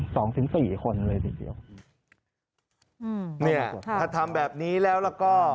สองถึงสี่คนเลยทีเดียวอืมเนี้ยถ้าทำแบบนี้แล้วแล้วก็